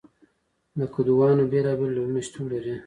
د کدوانو بیلابیل ډولونه شتون لري.